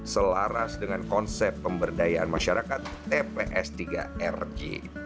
selaras dengan konsep pemberdayaan masyarakat tps tiga rg